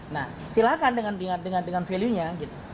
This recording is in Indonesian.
nah silahkan dengan dengan dengan value nya gitu